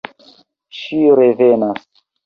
Ŝi revenas.